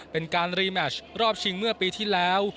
เป็นการรีแมชรอบชิงเมื่อปีที่แล้ว